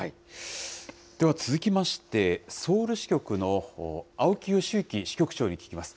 では、続きまして、ソウル支局の青木良行支局長に聞きます。